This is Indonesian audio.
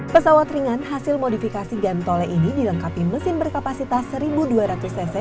pesawat ringan hasil modifikasi gantole ini dilengkapi mesin berkapasitas seribu dua ratus cc